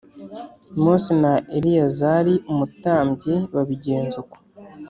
Mose na Eleyazari umutambyi babigenza uko